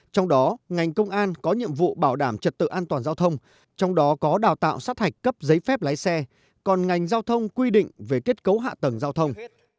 trong đó ngành công an có nhiệm vụ bảo đảm trật tự an toàn giao thông trong đó có đào tạo sát hạch cấp giấy phép lái xe còn ngành giao thông quy định về kết cấu hạ tầng giao thông